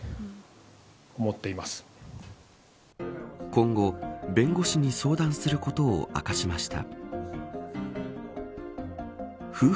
今後、弁護士に相談することを明かしました。